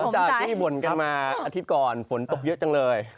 จากที่บ่นกันมาอาทิตย์ก่อนฝนตกเยอะจังเลย